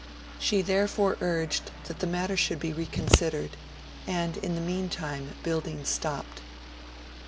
She therefore urged that the matter should be reconsidered, and in the meantime the building stopped.